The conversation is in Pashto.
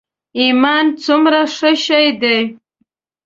ایمان څومره ښه شی دی.